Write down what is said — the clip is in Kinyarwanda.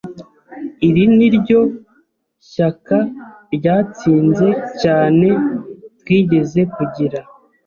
Iri niryo shyaka ryatsinze cyane twigeze kugira.